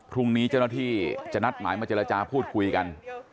พรุ่งนี้เจ้าหน้าที่จะนัดหมายมาเจรจาพูดคุยกัน